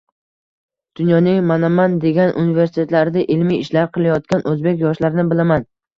dunyoning manaman degan universitetlarida ilmiy ishlar qilayotgan o‘zbek yoshlarini bilaman.